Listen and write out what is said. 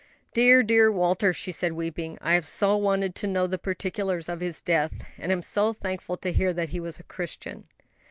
"Dear, dear Walter," she said, weeping, "I have so wanted to know the particulars of his death, and am so thankful to hear that he was a Christian."